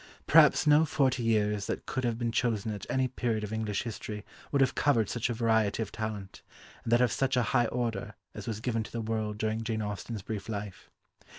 Perhaps no forty years that could have been chosen at any period of English history would have covered such a variety of talent, and that of such a high order, as was given to the world during Jane Austen's brief life.